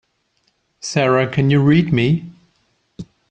Sara can you read me?